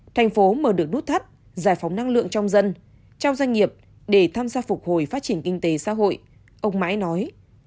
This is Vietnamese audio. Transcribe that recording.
thành phố mở được nút thắt giải phóng năng lượng trong dân trong doanh nghiệp để tham gia phục hồi phát triển kinh tế xã hội ông mãi nói